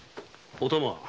お玉！